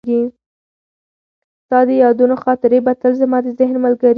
ستا د یادونو خاطرې به تل زما د ذهن ملګرې وي.